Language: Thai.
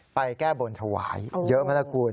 ไปแก้บนถวายเยอะมากรุณ